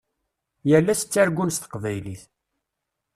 Yal ass ttargun s teqbaylit.